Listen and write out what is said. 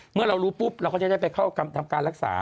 เมื่อเรารู้ปุ๊บเราก็จะได้ไปเข้าทำการรักษา